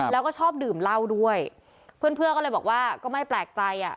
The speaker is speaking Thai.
แล้วก็ชอบดื่มเหล้าด้วยเพื่อนเพื่อนก็เลยบอกว่าก็ไม่แปลกใจอ่ะ